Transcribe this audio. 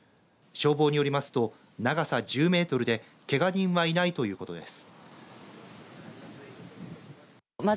消防によりますと長さ１０メートルでけが人はいないということです。